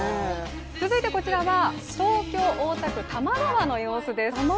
そしてこちらは、東京・大田区多摩川の様子です。